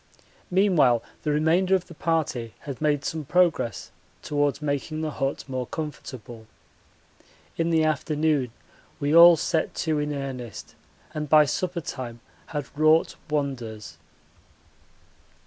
Meanwhile the remainder of the party had made some progress towards making the hut more comfortable. In the afternoon we all set to in earnest and by supper time had wrought wonders.